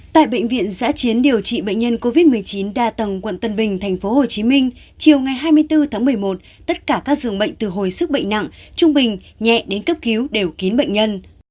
tại bệnh viện giã chiến điều trị bệnh nhân covid một mươi chín đa tầng quận tân bình tp hcm chiều ngày hai mươi bốn tháng một mươi một tất cả các dường bệnh từ hồi sức bệnh nặng trung bình nhẹ đến cấp cứu đều kín bệnh nhân